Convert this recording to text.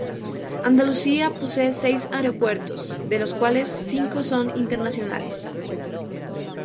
Andalucía posee seis aeropuertos, de los cuales cinco son internacionales.